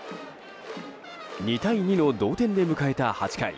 ２対２の同点で迎えた８回。